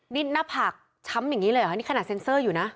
นี่หน้าผากช้ำอย่างนี้เลยเหรอคะนี่ขนาดเซ็นเซอร์อยู่นะ